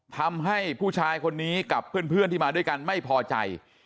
ทำให้ผู้ชายคนนี้กับเพื่อนที่มาด้วยกันไม่พอใจ